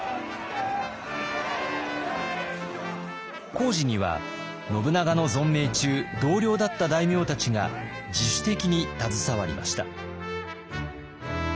工事には信長の存命中同僚だった大名たちが自主的に携わりました。